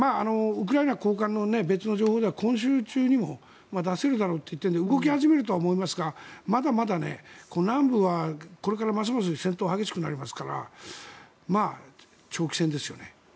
ウクライナ高官の別の情報では今週中にも出せるだろうといって動き始めるとは思いますがまだまだ南部はこれからますます戦闘が激しくなりますから長期戦ですよね。